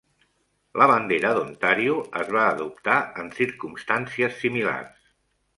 La bandera d'Ontàrio es va adoptar en circumstàncies similars.